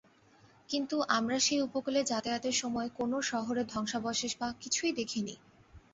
কিন্তু আমরা সেই উপকূলে যাতায়তের সময় কোন শহরের ধ্বংসাবশেষ বা কিছুই দেখিনি।